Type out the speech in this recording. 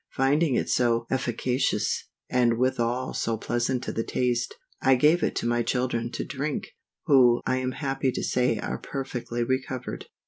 Finding it so efficacious, and withal so pleasant to the taste, I gave it to my children to drink, who I am happy to say are perfectly recovered.